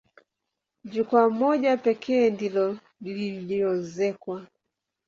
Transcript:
Jukwaa moja pekee ndilo lililoezekwa.